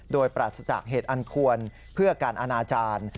โดยปราศจากเหตุอันควรเพื่อการอนาจารย์